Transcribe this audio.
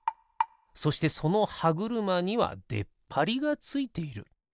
そしてそのはぐるまにはでっぱりがついている。